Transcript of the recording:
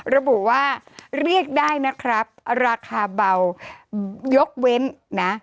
ระบุว่าเรียกได้นะครับราคาเบายกเว้นนะ